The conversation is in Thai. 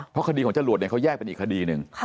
เพราะคดีของจรวดเนี่ยเขาแยกเป็นอีกคดีหนึ่ง